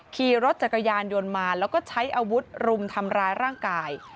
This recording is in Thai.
ขี่รถจักรยานยนต์มาแล้วก็ใช้อาวุธรุมทำร้ายร่างกาย